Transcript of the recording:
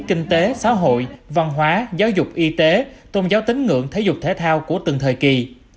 kinh tế xã hội văn hóa giáo dục y tế tôn giáo tính ngưỡng thể dục thể thao của từng thời kỳ